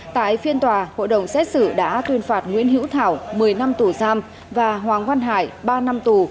tại phiên tòa hội đồng xét xử đã tuyên phạt nguyễn hữu thảo một mươi năm tù giam và hoàng văn hải ba năm tù